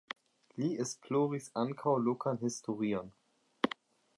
Li esploris ankaŭ lokan historion.